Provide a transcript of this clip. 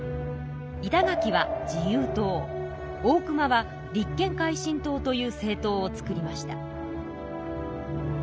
板垣は自由党大隈は立憲改進党という政党を作りました。